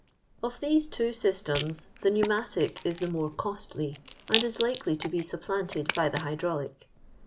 Of these two systems the pneumatic is the more costly, and is likely to be supplanted by the hydraulic.